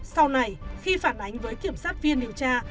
sau này khi phản ánh với kiểm sát viên điều tra